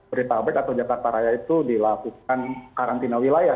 berita abek atau jakarta raya itu dilakukan karantina wilayah